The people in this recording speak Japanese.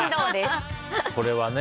これはね。